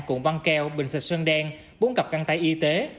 cụm băng keo bình sạch sơn đen bốn cặp căn tay y tế